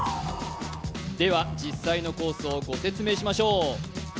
では実際のコースをご説明しましょう。